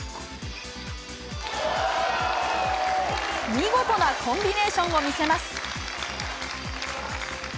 見事なコンビネーションを見せます。